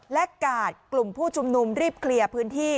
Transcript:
และกาดกลุ่มผู้ชุมนุมรีบเคลียร์พื้นที่